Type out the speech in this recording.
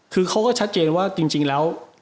คือเขาก็ชัดเจนว่าจริงแล้ว